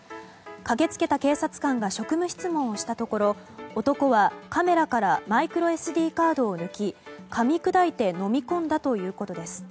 駆け付けた警察官が職務質問をしたところ男はカメラからマイクロＳＤカードを抜きかみ砕いて飲み込んだということです。